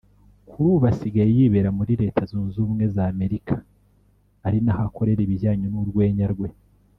Kuri ubu asigaye yibera muri Leta Zunze Ubumwe za Amerika ari naho akorera ibijyanye n'urwenya rwe